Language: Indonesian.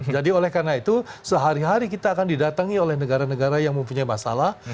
jadi oleh karena itu sehari hari kita akan didatangi oleh negara negara yang mempunyai masalah